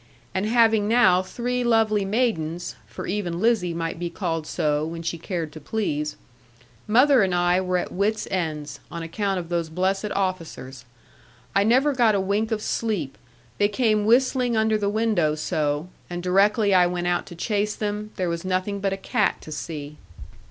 And having now three lovely maidens (for even Lizzie might be called so, when she cared to please), mother and I were at wit's ends, on account of those blessed officers. I never got a wink of sleep; they came whistling under the window so; and directly I went out to chase them, there was nothing but a cat to see.